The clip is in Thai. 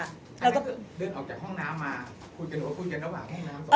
อันนั้นคือเดินออกจากห้องน้ำมาคุยกันหรือคุยกันระหว่างห้องน้ำ